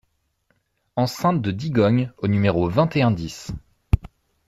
Enceinte de Digogne au numéro vingt et un dix